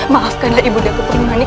maafkanlah ibunda keterima ini